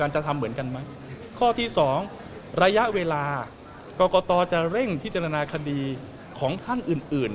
จะทำเหมือนกันไหมข้อที่สองระยะเวลากรกตจะเร่งพิจารณาคดีของท่านอื่นอื่น